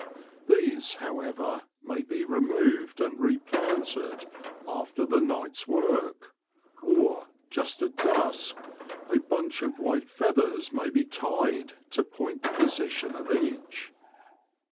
These, however, may be removed and re planted after the night's work ; or, just at dusk a bunch of white feathers may be tied to point the position of each.